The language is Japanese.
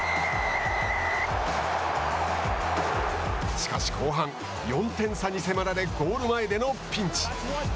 しかし後半４点差に迫られゴール前でのピンチ。